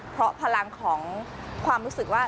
เพราะพลังของความรู้สึกว่า